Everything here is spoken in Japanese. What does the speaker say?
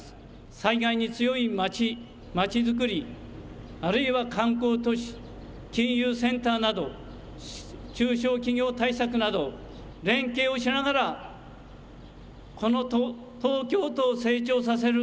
災害に強いまち、まちづくり、あるいは観光都市、金融センターなど中小企業対策など連携をしながら、この東京都を成長させる。